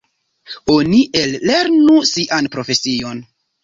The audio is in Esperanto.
Oni ellernu sian profesion.